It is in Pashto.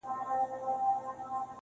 • د غزل تر زړه دي نن ویني څڅېږي -